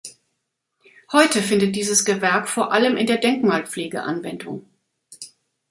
Heute findet dieses Gewerk vor allem in der Denkmalpflege Anwendung.